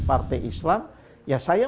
partai islam ya saya